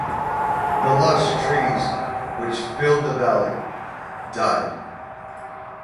The lush trees, which filled the valley, died.